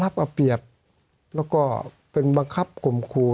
สวัสดีครับทุกคน